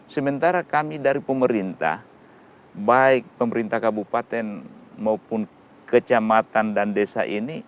sementara kami dari pemerintah baik pemerintah kabupaten maupun kecamatan dan desa ini